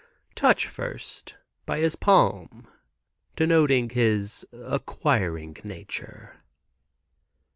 "Touch, first, by his palm, denoting his acquiring nature."